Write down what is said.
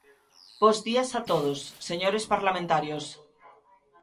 Bos días a todos, señores parlamentarios.